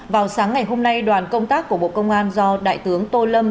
vào sáng ngày hôm nay đoàn công tác của bộ công an do đại tướng tô lâm